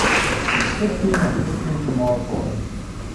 Fifteen or sixteen femoral pores.